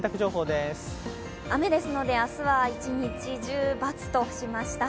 雨ですので、明日は一日中バツとしました。